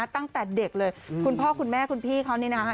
ตั้งแต่เด็กเลยคุณพ่อคุณแม่คุณพี่เขานี่นะคะ